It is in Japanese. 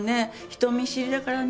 人見知りだからね